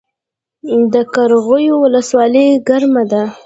د قرغیو ولسوالۍ ګرمه ده